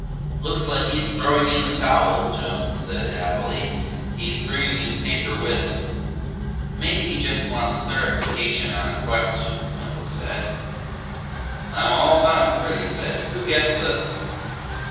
"Looks like he's throwing in the towel," Jones, said happily. "He's bringing his paper with him." "Maybe he just wants clarification on a question," Dwindle said. "I'm all done," Freddy said. "Who gets this?"